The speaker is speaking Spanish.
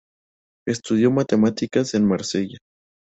Estudió matemáticas en Marsella.